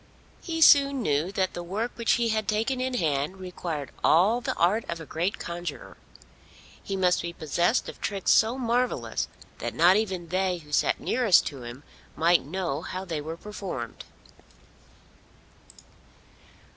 He soon knew that the work which he had taken in hand required all the art of a great conjuror. He must be possessed of tricks so marvellous that not even they who sat nearest to him might know how they were performed.